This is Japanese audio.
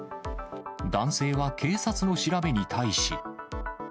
男性は警察の調べに対し。